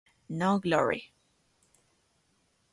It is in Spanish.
No Glory.".